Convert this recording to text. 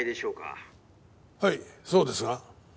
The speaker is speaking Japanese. はいそうですが？